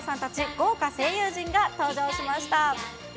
豪華声優陣が登場しました。